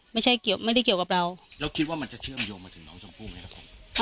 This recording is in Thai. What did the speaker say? ไม่ใช่เกี่ยวไม่ได้เกี่ยวกับเราแล้วคิดว่ามันจะเชื่อมโยงมาถึงน้องชมพู่ไหมครับผม